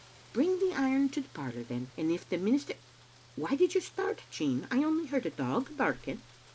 "Bring the iron to the parlor, then. And if the minis — Why did you start, Jean? I only heard a dog barking."